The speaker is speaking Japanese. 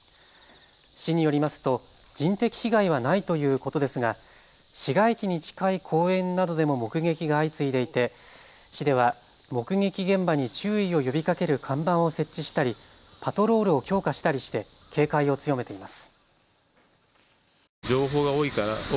市によりますと人的被害はないということですが市街地に近い公園などでも目撃が相次いでいて、市では目撃現場に注意を呼びかける看板を設置したりパトロールを強化したりして警戒を強めています。